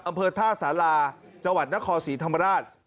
อำเภอท่าสาราจังหวัดนครศรีธรรมราช